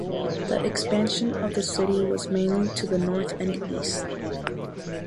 The expansion of the city was mainly to the north and east.